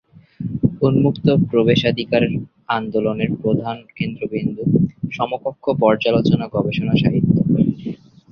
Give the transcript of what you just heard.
উন্মুক্ত প্রবেশাধিকার আন্দোলনের প্রধান কেন্দ্রবিন্দু "সমকক্ষ পর্যালোচনা গবেষণা সাহিত্য"।